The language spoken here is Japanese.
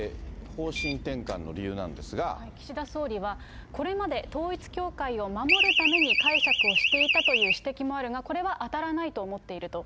岸田総理は、これまで統一教会を守るために解釈をしていたという指摘もあるが、これは当たらないと思っていると。